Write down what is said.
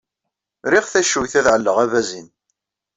Rriɣ taccuyt ad ɛelleɣ abazin.